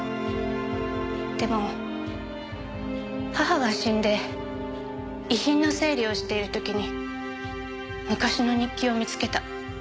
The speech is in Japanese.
でも母が死んで遺品の整理をしている時に昔の日記を見つけた。